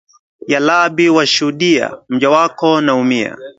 Ya Rabi washuhudia, mja wako naumia